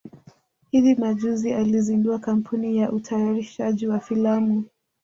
hivi majuzi alizindua kampuni ya utayarishaji wa filamu